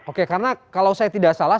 oke karena kalau saya tidak salah